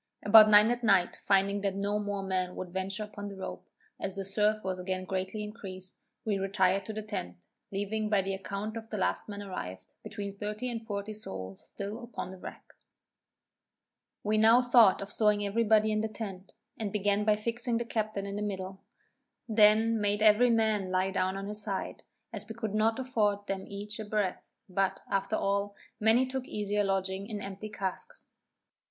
About nine at night finding that no more men would venture upon the rope, as the surf was again greatly increased, we retired to the tent, leaving by the account of the last man arrived, between thirty and forty souls still upon the wreck. We now thought of stowing every body in the tent, and began by fixing the captain in the middle. Then made every man lie down on his side, as we could not afford them each a breadth; but, after all, many took easier lodging in empty casks.